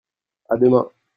À demain.